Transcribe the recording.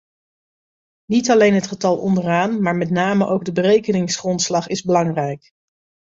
Niet alleen het getal onderaan, maar met name ook de berekeningsgrondslag is belangrijk.